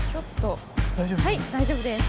はい大丈夫です。